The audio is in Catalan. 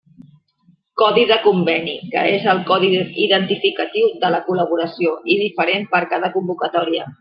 Codi de conveni, que és el codi identificatiu de la col·laboració i diferent per cada convocatòria.